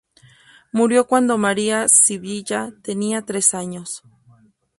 Murió cuando María Sibylla tenía tres años.